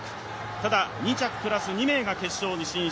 ただ２着プラス２名が決勝に進出